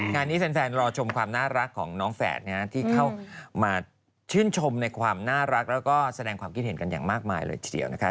งานนี้แฟนรอชมความน่ารักของน้องแฝดที่เข้ามาชื่นชมในความน่ารักแล้วก็แสดงความคิดเห็นกันอย่างมากมายเลยทีเดียวนะคะ